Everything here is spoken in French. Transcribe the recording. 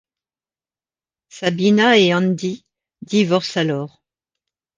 Sabina et Andy divorcent alors.